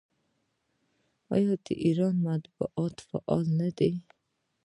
آیا د ایران مطبوعات فعال نه دي؟